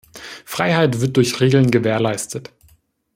Freiheit wird durch Regeln gewährleistet!